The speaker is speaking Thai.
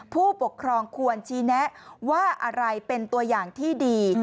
ผู้ปกครองควรชี้แนะว่าอะไรเป็นตัวอย่างที่ดี